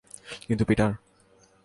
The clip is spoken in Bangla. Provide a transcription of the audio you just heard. কিন্তু, পিটার।